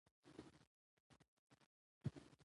د ولس ملاتړ د هرې پرېکړې بنسټیز ارزښت لري